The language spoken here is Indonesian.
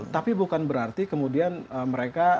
tapi bukan berarti kemudian mereka